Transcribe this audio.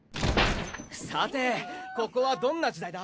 さてここはどんな時代だ？